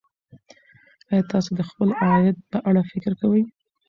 ایا تاسو د خپل عاید په اړه فکر کوئ.